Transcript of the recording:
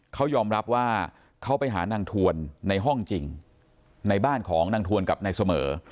เขายอมรับว่าเขาไปหานางทวนในห้องจริงในบ้านของนางทวนกับนายเสมอ